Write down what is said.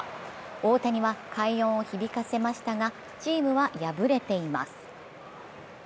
大谷は快音を響かせましたがチームは敗れています。